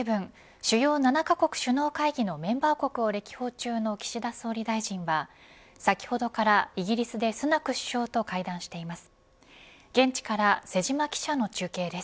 主要７カ国首脳会議のメンバー国を歴訪中の岸田総理大臣は先ほどからはイギリスでスナク首相と会談しています。